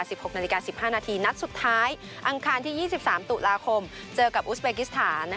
นาฬิกา๑๖นาฬิกา๑๕นาทีนัดสุดท้ายอังคารที่๒๓ตุลาคมเจอกับอุสเบกิสถาน